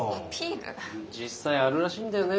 実際あるらしいんだよね